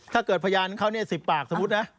ถ้าเกิดพยานเขาเนี่ย๑๐ปากสมมุตินะ